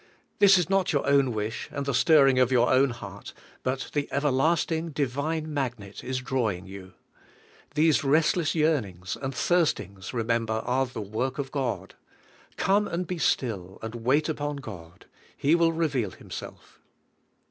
This is not your own wish, and the stirring of your own heart, but the everlasting Divine magnet is drawing you. These restless yearnings and thirstings, remember, are the work of God. Come and be still, and wait upon God. He will reveal Himself.